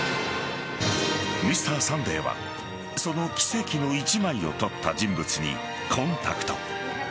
「Ｍｒ．サンデー」はその奇跡の一枚を撮った人物にコンタクト。